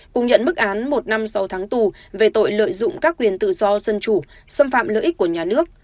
cùng nhận bức án một năm sáu tháng tù về tội lợi dụng các quyền tự do dân chủ xâm phạm lợi ích của nhà nước